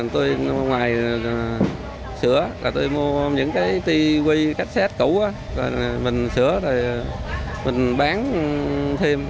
cho được ba triệu thì tôi ngoài sửa tôi mua những cái tivi cassette cũ mình sửa rồi mình bán thêm